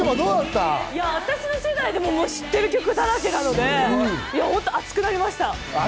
私の世代でも知ってる曲だらけなので、本当に熱くなりました。